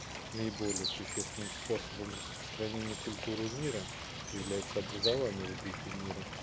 Наиболее существенным способом распространения культуры мира является образование в духе мира.